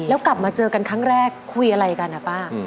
แล้วกลับมาเจอกันครั้งแรกคุยอะไรกันนะป้า